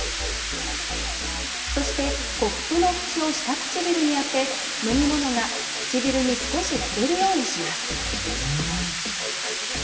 そしてコップの縁を下唇に当て飲み物が唇に少し触れるようにします。